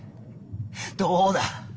どうだ！